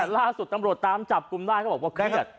ล่าสุดตำโลกตามจับคุมล้ายบ้านเขาบอกว่าเครียด